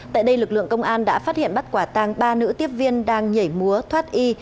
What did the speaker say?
tại đây lực lượng công an đã phát hiện bắt quả tàng ba nữ tiếp viên đang nhảy múa thoát y